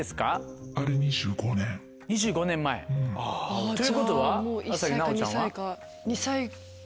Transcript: ２５年前ということは朝日奈央ちゃんは？